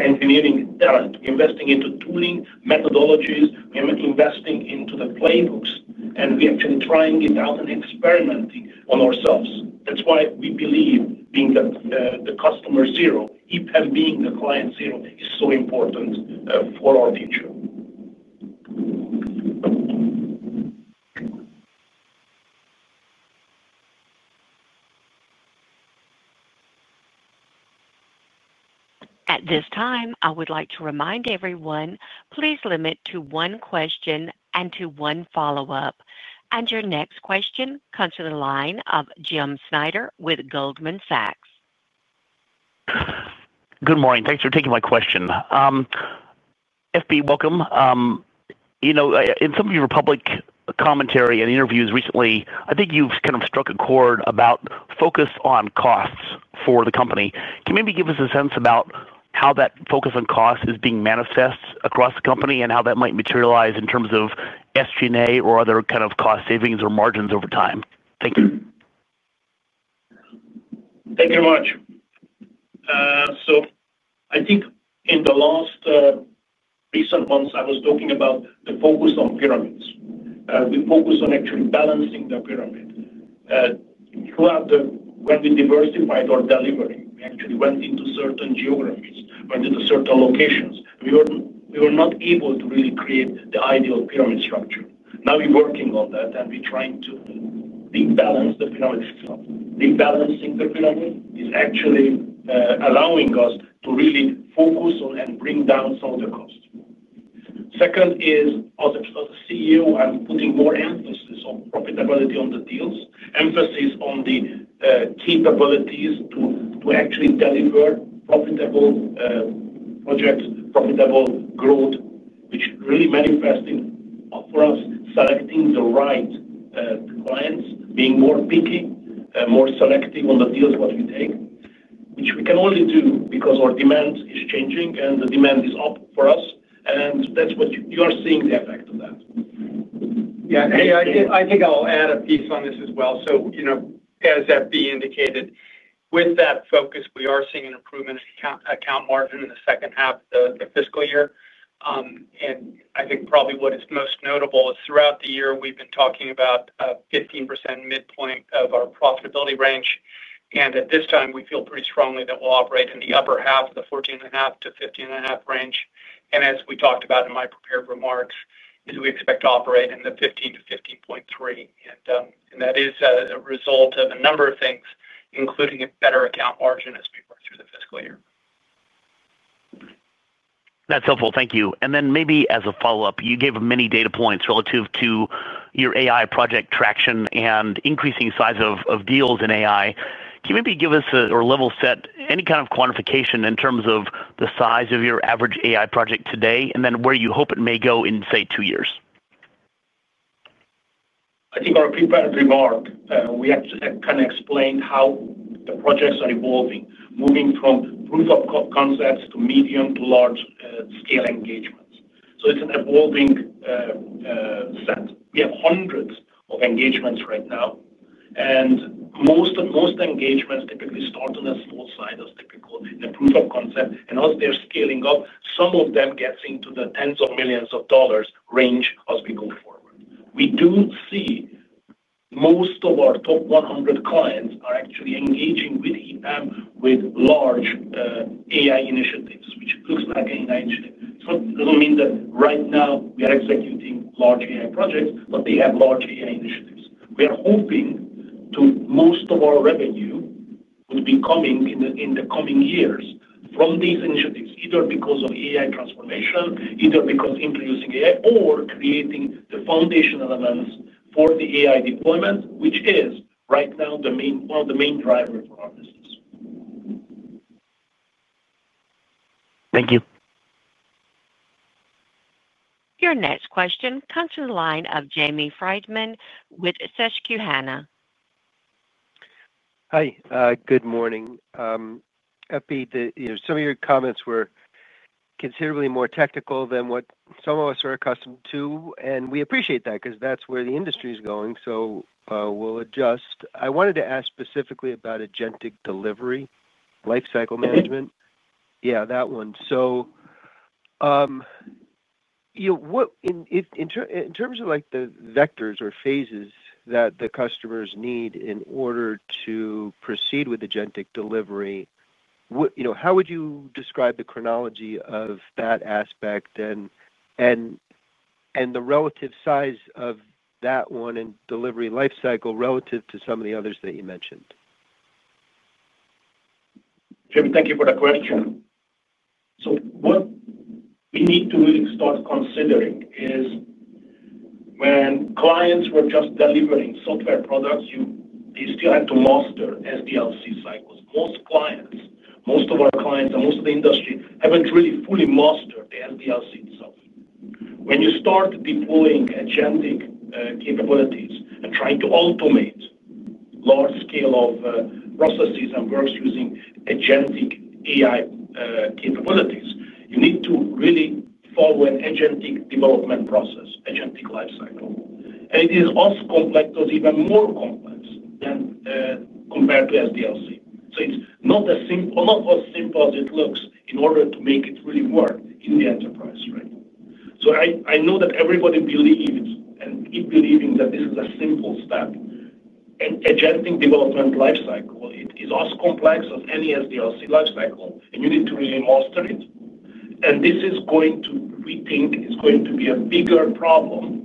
engineering talent. We're investing into tooling, methodologies. We're investing into the playbooks, and we're actually trying it out and experimenting on ourselves. That's why we believe being the customer zero, EPAM being the client zero, is so important for our future. At this time, I would like to remind everyone, please limit to one question and to one follow-up. Your next question comes from the line of Jim Schneider with Goldman Sachs. Good morning. Thanks for taking my question. FB welcome. In some of your public commentary and interviews recently, I think you've kind of struck a chord about focus on costs for the company. Can you maybe give us a sense about how that focus on cost is being manifest across the company and how that might materialize in terms of SG&A or other kind of cost savings or margins over time? Thank you. Thank you very much. I think in the last recent months, I was talking about the focus on pyramids. We focused on actually balancing the pyramid. When we diversified our delivery, we actually went into certain geographies, went into certain locations. We were not able to really create the ideal pyramid structure. Now we're working on that, and we're trying to rebalance the pyramid itself. Rebalancing the pyramid is actually allowing us to really focus on and bring down some of the cost. Second is, as a CEO, I'm putting more emphasis on profitability on the deals, emphasis on the capabilities to actually deliver profitable projects, profitable growth, which really manifesting for us, selecting the right clients, being more picky, more selective on the deals that we take, which we can only do because our demand is changing and the demand is up for us. That's what you are seeing the effect of that. Yeah. I think I'll add a piece on this as well. As FB indicated, with that focus, we are seeing an improvement in account margin in the second half of the fiscal year. I think probably what is most notable is throughout the year, we've been talking about a 15% midpoint of our profitability range. At this time, we feel pretty strongly that we'll operate in the upper half of the 14.5%-15.5% range. As we talked about in my prepared remarks, we expect to operate in the 15%-15.3%. That is a result of a number of things, including a better account margin as we work through the fiscal year. That's helpful. Thank you. Maybe as a follow-up, you gave many data points relative to your AI project traction and increasing size of deals in AI. Can you maybe give us or level set any kind of quantification in terms of the size of your average AI project today and then where you hope it may go in, say, two years? I think our prepared remark, we actually kind of explained how the projects are evolving, moving from proof of concepts to medium to large-scale engagements. It is an evolving set. We have hundreds of engagements right now. Most engagements typically start on a small side as typical in the proof of concept. As they are scaling up, some of them get into the tens of millions of dollars range as we go forward. We do see most of our top 100 clients are actually engaging with EPAM with large AI initiatives, which looks like an AI initiative. It does not mean that right now we are executing large AI projects, but they have large AI initiatives. We are hoping that most of our revenue would be coming in the coming years from these initiatives, either because of AI transformation, either because of introducing AI, or creating the foundational elements for the AI deployment, which is right now one of the main drivers for our business. Thank you. Your next question comes from the line of Jamie Friedman with Susquehanna. Hi. Good morning. FB, some of your comments were considerably more technical than what some of us are accustomed to. We appreciate that because that is where the industry is going. We will adjust. I wanted to ask specifically about agentic delivery, lifecycle management. Yeah, that one. In terms of the vectors or phases that the customers need in order to proceed with agentic delivery, how would you describe the chronology of that aspect and the relative size of that one and delivery lifecycle relative to some of the others that you mentioned? Jamie, thank you for the question. What we need to start considering is when clients were just delivering software products, they still had to master SDLC cycles. Most clients, most of our clients, and most of the industry have not really fully mastered the SDLC itself. When you start deploying agentic capabilities and trying to automate. Large scale of processes and works using agentic AI capabilities, you need to really follow an agentic development process, agentic lifecycle. It is as complex or even more complex than, compared to SDLC. It is not as simple as it looks in order to make it really work in the enterprise realm. I know that everybody believes and keep believing that this is a simple step. Agentic development lifecycle is as complex as any SDLC lifecycle, and you need to really master it. This is going to rethink, it is going to be a bigger problem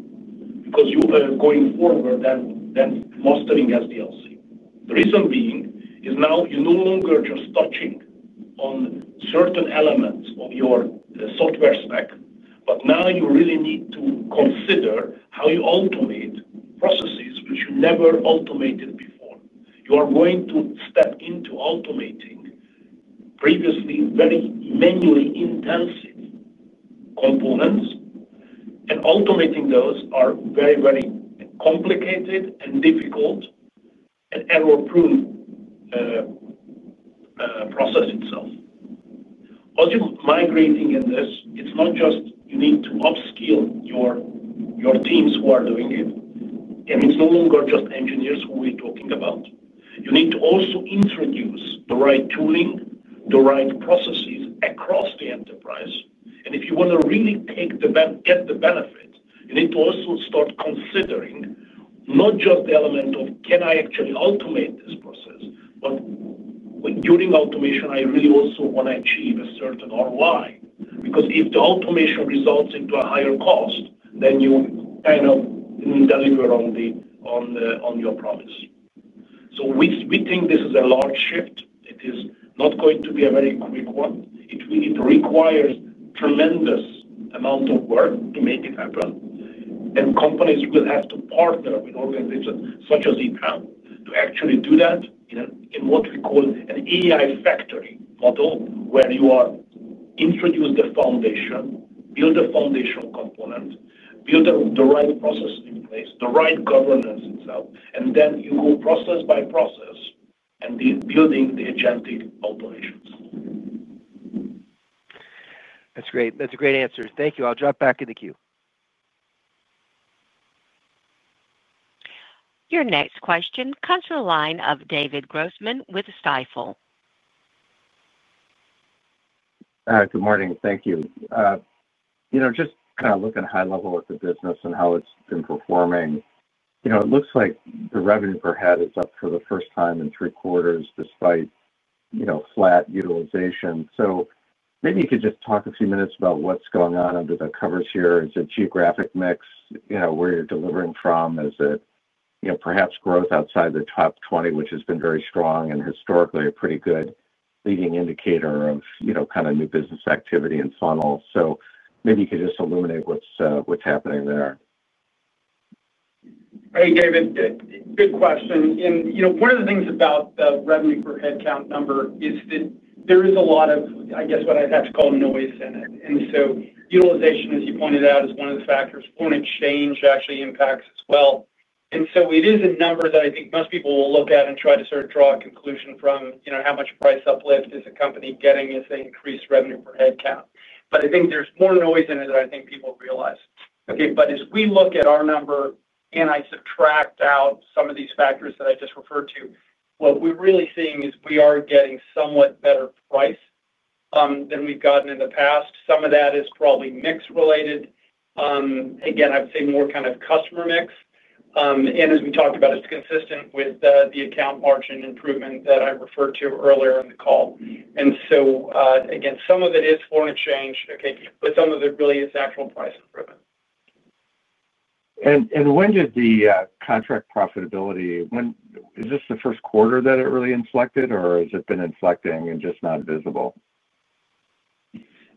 going forward than mastering SDLC. The reason being is now you are no longer just touching on certain elements of your software spec, but now you really need to consider how you automate processes which you never automated before. You are going to step into automating previously very manually intensive. Components, and automating those are very, very complicated and difficult. And error-prone. Process itself. As you're migrating in this, it's not just you need to upskill your teams who are doing it. And it's no longer just engineers who we're talking about. You need to also introduce the right tooling, the right processes across the enterprise. If you want to really get the benefit, you need to also start considering not just the element of, "Can I actually automate this process?" During automation, I really also want to achieve a certain ROI. Because if the automation results into a higher cost, then you kind of didn't deliver on your promise. We think this is a large shift. It is not going to be a very quick one. It requires a tremendous amount of work to make it happen. Companies will have to partner with organizations such as EPAM to actually do that in what we call an AI factory model where you introduce the foundation, build the foundational component, build the right process in place, the right governance itself, and then you go process by process. Building the agentic automations. That's great. That's a great answer. Thank you. I'll drop back in the queue. Your next question comes from the line of David Grossman with Stifel. Good morning. Thank you. Just kind of looking at high level at the business and how it's been performing. It looks like the revenue per head is up for the first time in three quarters despite flat utilization. Maybe you could just talk a few minutes about what's going on under the covers here. Is it geographic mix? Where are you delivering from? Is it perhaps growth outside the top 20, which has been very strong and historically a pretty good leading indicator of kind of new business activity and funnels? Maybe you could just illuminate what's happening there. Hey, David. Good complicated question. One of the things about the revenue per head count number is that there is a lot of, I guess, what I'd have to call noise in it. Utilization, as you pointed out, is one of the factors. Foreign exchange actually impacts as well. It is a number that I think most people will look at and try to sort of draw a conclusion from how much price uplift is a company getting as they increase revenue per head count. I think there's more noise in it than I think people realize. Okay. As we look at our number and I subtract out some of these factors that I just referred to, what we're really seeing is we are getting somewhat better price than we've gotten in the past. Some of that is probably mix-related. Again, I would say more kind of customer mix. As we talked about, it's consistent with the account margin improvement that I referred to earlier in the call. Some of it is foreign exchange, okay, but some of it really is actual price improvement. When did the contract profitability—when is this the first quarter that it really inflected, or has it been inflecting and just not visible?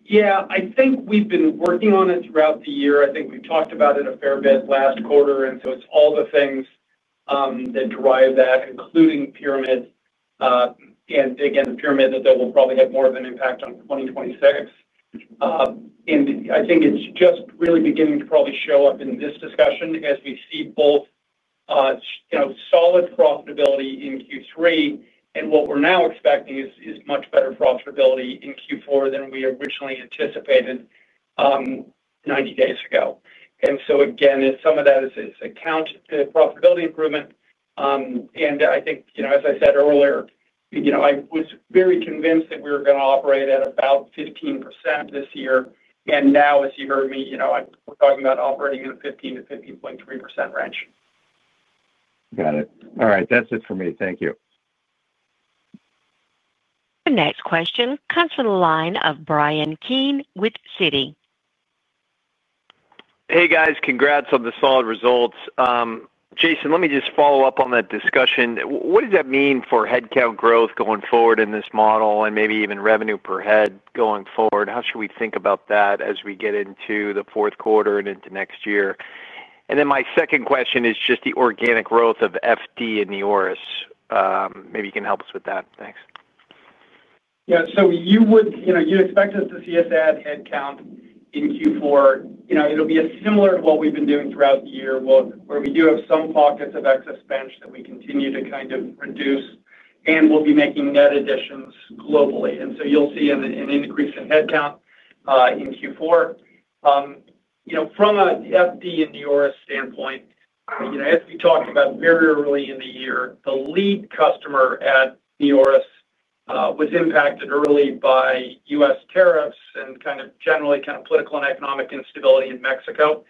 Yeah. I think we've been working on it throughout the year. I think we've talked about it a fair bit last quarter. It's all the things that drive that, including pyramids. Again, the pyramid that they will probably have more of an impact on 2026. I think it's just really beginning to probably show up in this discussion as we see both solid profitability in Q3 and what we're now expecting is much better profitability in Q4 than we originally anticipated 90 days ago. Again, some of that is account profitability improvement. I think, as I said earlier, I was very convinced that we were going to operate at about 15% this year. Now, as you heard me, we're talking about operating in a 15%-15.3% range. Got it. All right. That's it for me. Thank you. Your next question comes from the line of Bryan Keane with Citi. Hey, guys. Congrats on the solid results. Jason, let me just follow up on that discussion. What does that mean for headcount growth going forward in this model and maybe even revenue per head going forward? How should we think about that as we get into the fourth quarter and into next year? My second question is just the organic growth of FD and NEORIS. Maybe you can help us with that. Thanks. Yeah. You would expect to see us add headcount in Q4. It will be similar to what we have been doing throughout the year, where we do have some pockets of excess bench that we continue to kind of reduce, and we will be making net additions globally. You will see an increase in headcount in Q4. From an FD and NEORIS standpoint. As we talked about very early in the year, the lead customer at NEORIS was impacted early by U.S. tariffs and kind of generally kind of political and economic instability in Mexico.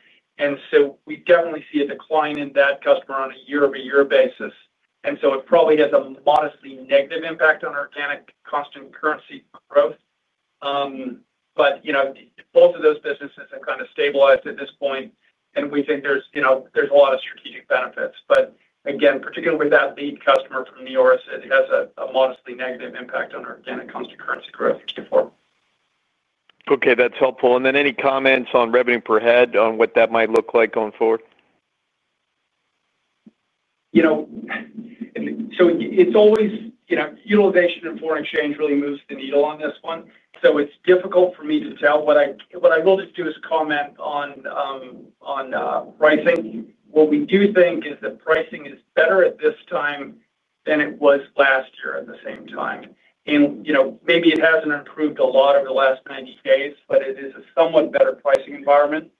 We definitely see a decline in that customer on a year-over-year basis. It probably has a modestly negative impact on organic cost and currency growth. Both of those businesses have kind of stabilized at this point, and we think there is a lot of strategic benefits. Again, particularly with that lead customer from NEORIS, it has a modestly negative impact on organic cost and currency growth in Q4. Okay. That is helpful. Any comments on revenue per head on what that might look like going forward? It is always utilization and foreign exchange really moves the needle on this one. It is difficult for me to tell. What I will just do is comment on pricing. What we do think is that pricing is better at this time than it was last year at the same time. Maybe it has not improved a lot over the last 90 days, but it is a somewhat better pricing environment.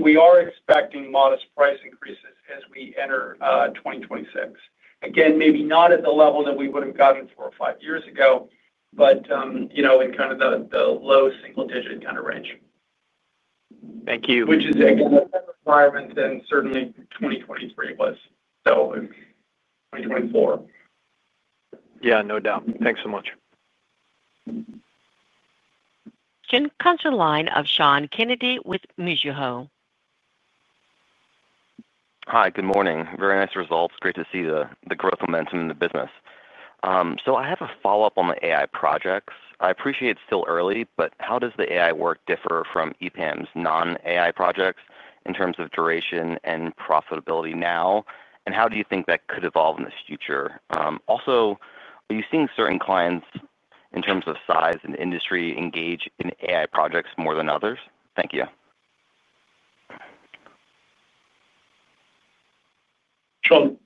We are expecting modest price increases as we enter 2026. Again, maybe not at the level that we would have gotten four or five years ago, but in kind of the low single-digit kind of range. Thank you. Which is, again, a better environment than certainly 2023 was. 2024. Yeah. No doubt. Thanks so much. Next comes from the line of Sean Kennedy with Mizuho. Hi. Good morning. Very nice results. Great to see the growth momentum in the business. I have a follow-up on the AI projects. I appreciate it's still early, but how does the AI work differ from EPAM's non-AI projects in terms of duration and profitability now? And how do you think that could evolve in the future? Also, are you seeing certain clients in terms of size and industry engage in AI projects more than others? Thank you. Sean.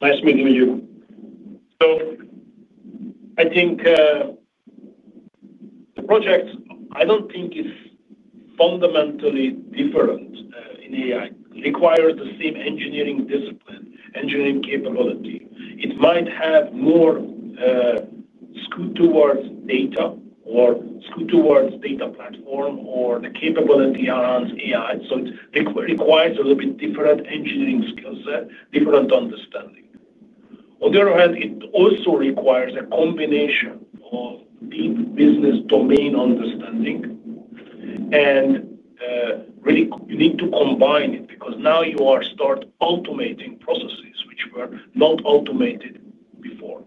Nice meeting you. I think the project, I don't think, is fundamentally different in AI. It requires the same engineering discipline, engineering capability. It might have more scoot towards data or scoot towards data platform or the capability around AI. It requires a little bit different engineering skill set, different understanding. On the other hand, it also requires a combination of deep business domain understanding. Really, you need to combine it because now you are starting automating processes which were not automated before.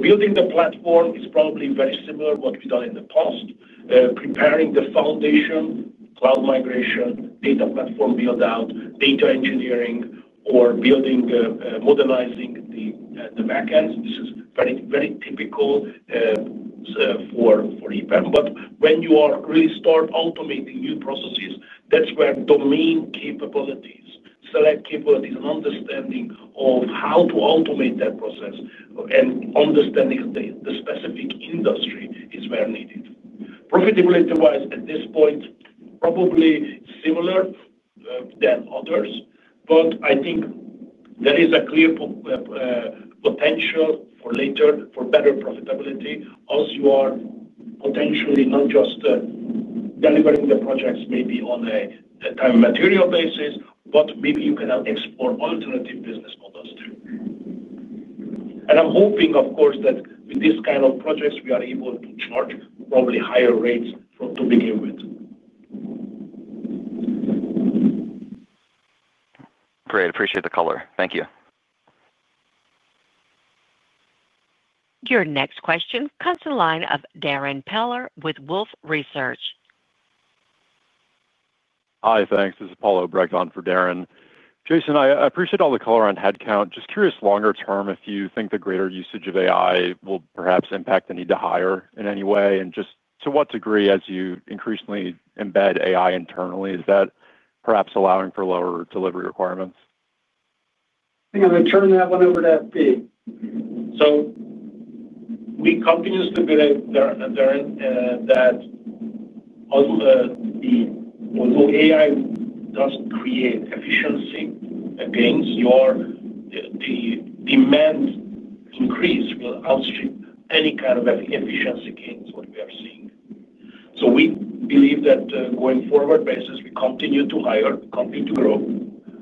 Building the platform is probably very similar to what we've done in the past. Preparing the foundation, cloud migration, data platform build-out, data engineering, or modernizing the backends. This is very typical for EPAM. When you are really starting automating new processes, that's where domain capabilities, select capabilities, and understanding of how to automate that process and understanding the specific industry is where needed. Profitability-wise, at this point, probably similar to others. I think there is a clear potential for better profitability as you are potentially not just delivering the projects maybe on a time and material basis, but maybe you can explore alternative business models too. I'm hoping, of course, that with this kind of projects, we are able to charge probably higher rates to begin with. Great. Appreciate the color. Thank you. Your next question comes from the line of Darrin Peller with Wolfe Research. Hi. Thanks. This is Paul Obrecht on for Darrin. Jason, I appreciate all the color on headcount. Just curious, longer term, if you think the greater usage of AI will perhaps impact the need to hire in any way? And just to what degree, as you increasingly embed AI internally, is that perhaps allowing for lower delivery requirements? I'm going to turn that one over to FB. We continue to believe that although AI does create efficiency against your demand increase, we'll outstrip any kind of efficiency gains that we are seeing. We believe that going forward, as we continue to hire, continue to grow,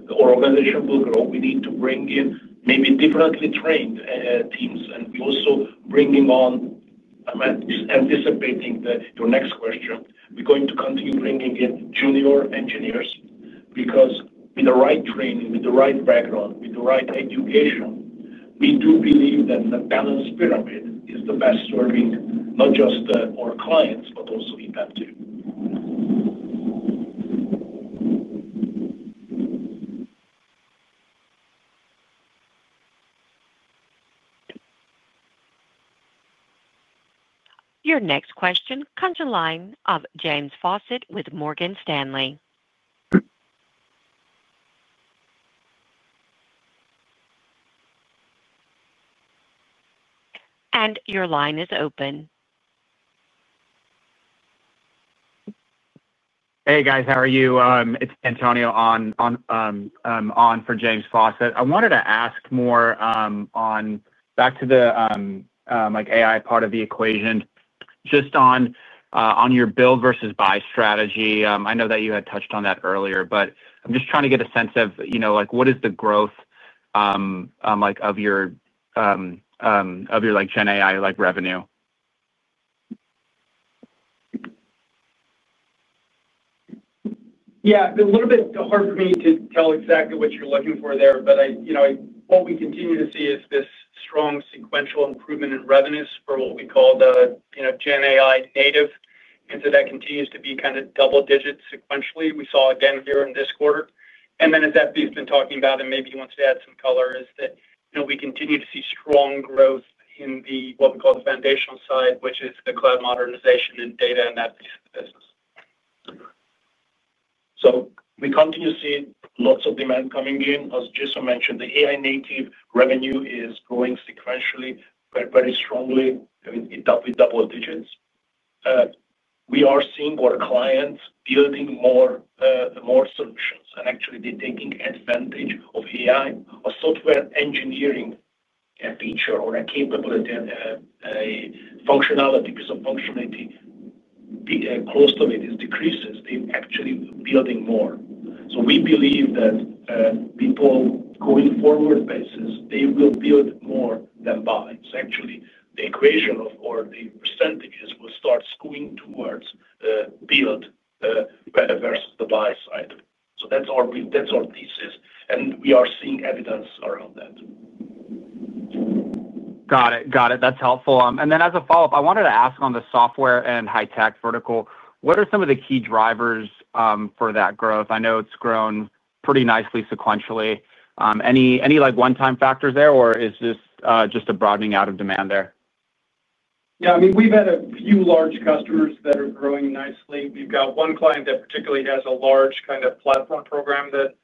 the organization will grow. We need to bring in maybe differently trained teams. And we're also bringing on. I'm anticipating your next question. We're going to continue bringing in junior engineers because with the right training, with the right background, with the right education, we do believe that the balanced pyramid is the best serving not just our clients, but also EPAM too. Your next question comes from the line of James Faucette with Morgan Stanley. Your line is open. Hey, guys. How are you? It's Antonio on for James Faucette. I wanted to ask more back to the AI part of the equation. Just on your build versus buy strategy. I know that you had touched on that earlier, but I'm just trying to get a sense of what is the growth of your GenAI revenue. Yeah. A little bit hard for me to tell exactly what you're looking for there, but what we continue to see is this strong sequential improvement in revenues for what we call the GenAI native. That continues to be kind of double-digit sequentially. We saw, again, here in this quarter. As FD has been talking about, and maybe once we add some color, we continue to see strong growth in what we call the foundational side, which is the cloud modernization and data in that piece of the business. We continue to see lots of demand coming in. As Jason mentioned, the AI native revenue is growing sequentially very strongly, with double digits. We are seeing our clients building more solutions. Actually, they're taking advantage of AI, a software engineering feature or a functionality because the functionality close to it is decreases. They're actually building more. We believe that, going forward, people will build more than buy. The equation or the percentages will start scooting towards build versus the buy side. That's our thesis, and we are seeing evidence around that. Got it. Got it. That's helpful. As a follow-up, I wanted to ask on the software and high-tech vertical, what are some of the key drivers for that growth? I know it's grown pretty nicely sequentially. Any one-time factors there, or is this just a broadening out of demand there? Yeah. I mean, we've had a few large customers that are growing nicely. We've got one client that particularly has a large kind of platform program that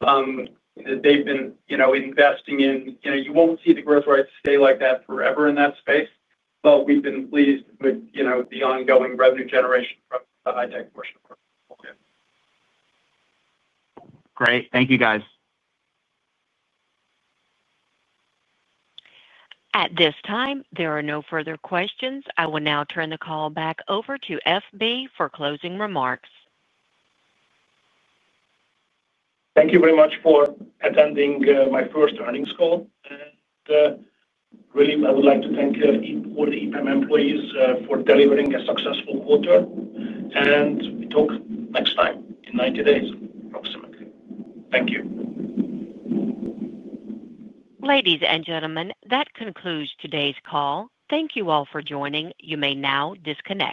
they've been investing in. You won't see the growth rates stay like that forever in that space, but we've been pleased with the ongoing revenue generation from the high-tech portion of our portfolio. Great. Thank you, guys. At this time, there are no further questions. I will now turn the call back over to FB for closing remarks. Thank you very much for attending my first earnings call. Really, I would like to thank all the EPAM employees for delivering a successful quarter. We talk next time in 90 days, approximately. Thank you. Ladies and gentlemen, that concludes today's call. Thank you all for joining. You may now disconnect.